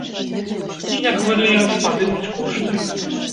Ці, як варыянт, падымуць кошты.